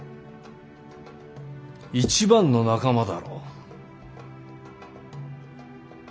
一番の仲間だろう？